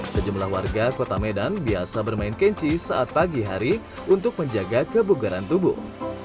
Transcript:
sejumlah warga kota medan biasa bermain kenji saat pagi hari untuk menjaga kebugaran tubuh